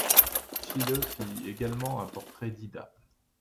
Schiele fit également un portrait d'Ida.